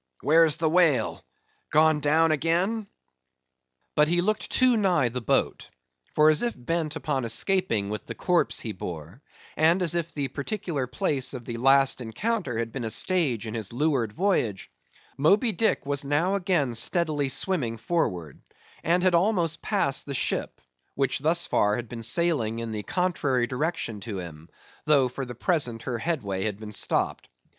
—Where's the whale? gone down again?" But he looked too nigh the boat; for as if bent upon escaping with the corpse he bore, and as if the particular place of the last encounter had been but a stage in his leeward voyage, Moby Dick was now again steadily swimming forward; and had almost passed the ship,—which thus far had been sailing in the contrary direction to him, though for the present her headway had been stopped.